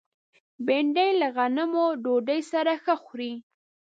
بېنډۍ له غنمو ډوډۍ سره ښه خوري